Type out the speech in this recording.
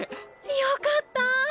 よかったぁ。